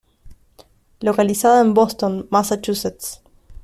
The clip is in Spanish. Localizada en Boston, Massachusetts.